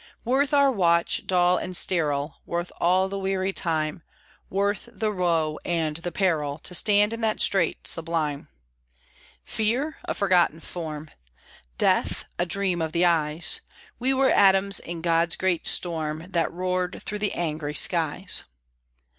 Worth our watch, dull and sterile, Worth all the weary time, Worth the woe and the peril, To stand in that strait sublime! Fear? A forgotten form! Death? A dream of the eyes! We were atoms in God's great storm That roared through the angry skies.